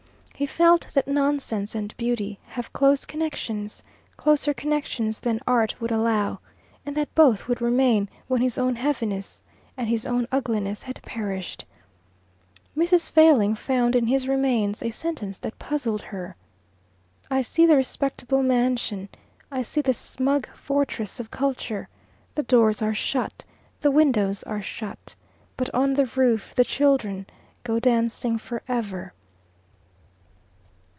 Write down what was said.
He felt that nonsense and beauty have close connections, closer connections than Art will allow, and that both would remain when his own heaviness and his own ugliness had perished. Mrs. Failing found in his remains a sentence that puzzled her. "I see the respectable mansion. I see the smug fortress of culture. The doors are shut. The windows are shut. But on the roof the children go dancing for ever."